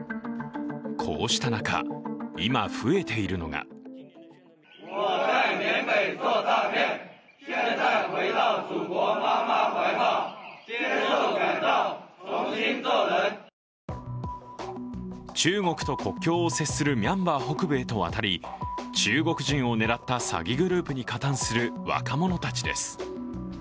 こうした中、今増えているのが中国と国境を接するミャンマー北部へと渡り中国人を狙った詐欺グループに加担する若者たちです。